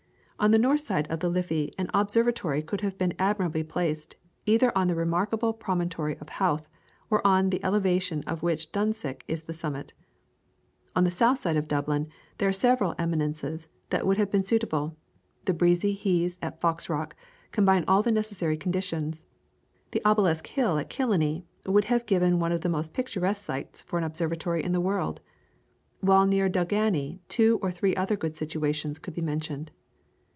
On the north side of the Liffey an Observatory could have been admirably placed, either on the remarkable promontory of Howth or on the elevation of which Dunsink is the summit. On the south side of Dublin there are several eminences that would have been suitable: the breezy heaths at Foxrock combine all necessary conditions; the obelisk hill at Killiney would have given one of the most picturesque sites for an Observatory in the world; while near Delgany two or three other good situations could be mentioned.